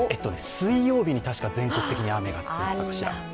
水曜日に確か全国的に雨が続いていたかしら。